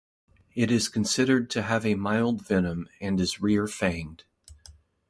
It is considered to have a mild venom and is rear-fanged.